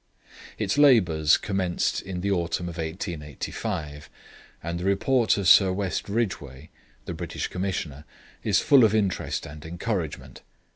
Its labours commenced in the autumn of 1885, and the report of Sir West Ridgeway, the British Commissioner, is full of interest and encouragement.